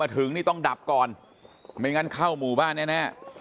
ถึงนี่ต้องดับก่อนไม่งั้นเข้าหมู่บ้านแน่